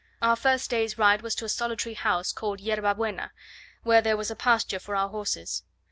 Our first day's ride was to a solitary house, called Yerba Buena, where there was pasture for our horses.